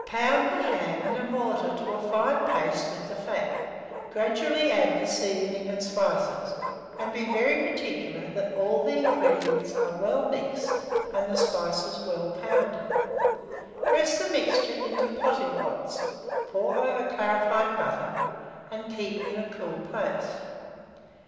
Pound the ham in a mortar to a fine paste, with the fat, gradually add the seasoning and spices, and be very particular that all the ingredients are well mixed and the spices well pounded. Press the mixture into potting pots, pour over clarified butter, and keep it in a cool place.